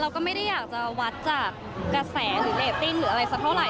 เราก็ไม่ได้อยากจะวัดจากกระแสหรือเรตติ้งหรืออะไรสักเท่าไห